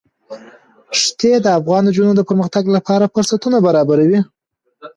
ښتې د افغان نجونو د پرمختګ لپاره فرصتونه برابروي.